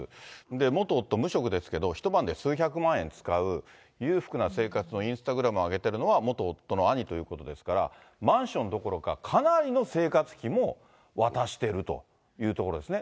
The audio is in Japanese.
元夫、無職ですけど、一晩で数百万円使う、裕福な生活のインスタグラムを上げているのは、元夫の兄ということですから、マンションどころか、かなりの生活費も渡しているというところですよね。